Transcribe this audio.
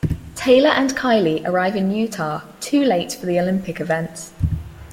Taylor and Kylie arrive in Utah too late for the Olympic events.